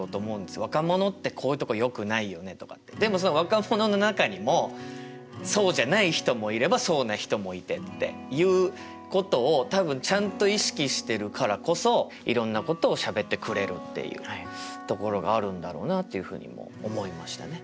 「若者ってこういうとこよくないよね」とかって。でもその若者の中にもそうじゃない人もいればそうな人もいてっていうことを多分ちゃんと意識してるからこそいろんなことをしゃべってくれるっていうところがあるんだろうなっていうふうにも思いましたね。